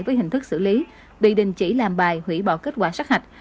với hình thức xử lý bị đình chỉ làm bài hủy bỏ kết quả sát hạch